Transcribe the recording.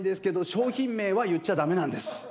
商品名は言っちゃ駄目なんです。